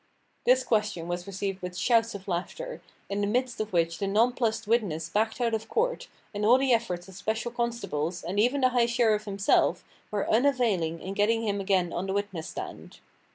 This question was received with shouts of laughter, in the midst of which the nonplussed witness backed out of court, and all the efforts of special constables, and even the high sheriff himself, were unavailing in getting him again on the witness stand.